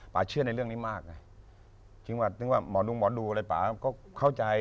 ป๊าเชื่อในเรื่องนี้มากจริงว่านึกว่าหมอดูหมอดูเลยป๊าก็เข้าใจ